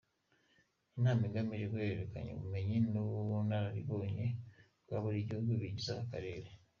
Inama igamije guhererekanya ubumenyi n’ubunararibonye bwa buri gihugu kigize aka karere.